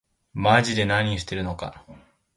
まぢで何してるのか